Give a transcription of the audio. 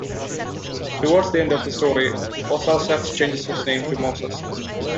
Towards the end of the story Osarseph changes his name to Moses.